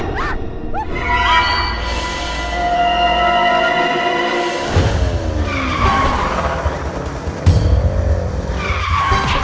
kamu zanam i barbaressh